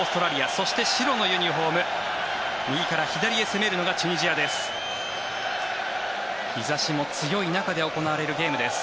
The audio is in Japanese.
そして白のユニホーム右から左へ攻めるのがチュニジアです。